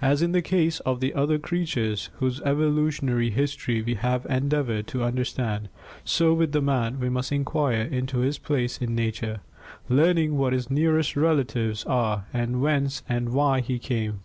As in the case of the other creatures whose evolutionary history we have endeavored to understand, so with man we must enquire into his place in nature, learning what his nearest relatives are and whence and why he came.